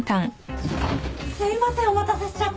すいませんお待たせしちゃって。